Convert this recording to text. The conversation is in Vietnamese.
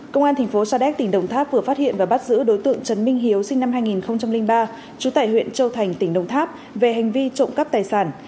công an tp sadec tỉnh đồng tháp vừa phát hiện và bắt giữ đối tượng trấn minh hiếu sinh năm hai nghìn ba trú tại huyện châu thành tỉnh đồng tháp về hành vi trộn cắp tài sản